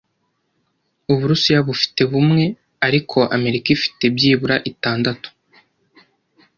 Uburusiya bufite bumwe ariko Amerika ifite byibura itandatu